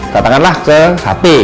katakanlah ke hp